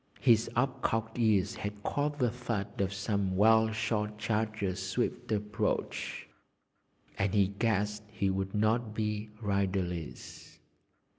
His up cocked ears had caught the thud of some well shod charger's swift approach, and he guessed he would not be riderless.